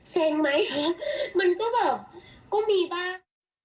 เซ็งไหมฮะมันก็แบบก็มีบ้าง